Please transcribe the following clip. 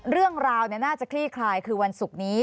เรื่องราวน่าจะคลี่คลายคือวันศุกร์นี้